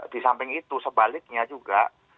di samping itu sebaliknya juga